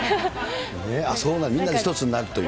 そうなの、みんなで１つになるという？